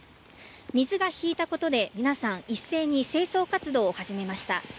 水が引いたことで、皆さん一斉に清掃活動を始めました。